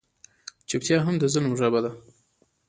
چوپتیا هم د ظلم ژبه ده.